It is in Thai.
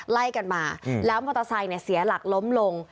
ไล่กันมาแล้วมอเตอร์ไซค์เสียหลักล้มลง